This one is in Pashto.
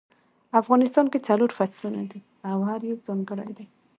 افغانستان کې څلور فصلونه دي او هر یو ځانګړی ده